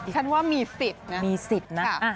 ฉันว่ามีสิทธิ์นะ